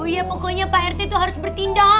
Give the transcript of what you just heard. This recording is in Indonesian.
ya pokoknya pak rt itu harus bertindak